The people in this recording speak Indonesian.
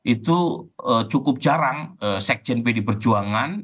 itu cukup jarang sekjen pd perjuangan